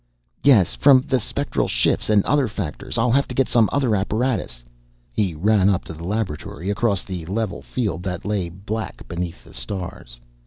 "Yes. From the spectral shift and other factors. I'll have to get some other apparatus." He ran up to the laboratory, across the level field that lay black beneath the stars.